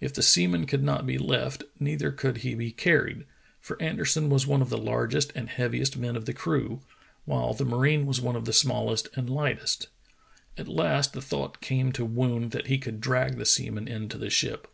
If the seaman could not be left, neither could he be carried, for Anderson was one of the largest and heaviest men of the crew, while the marine was one of the small est and hghtest. At last the thought came to Woon that he could drag the seaman in to the ship.